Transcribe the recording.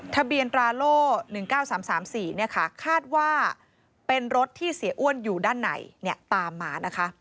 ทะเบียนตราโล๑๙๓๓๔คาดว่าเป็นรถที่เสียอ้วนอยู่ด้านไหนตามมา